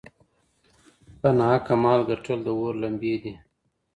په ناحقه مال ګټل د اور لمبې دي.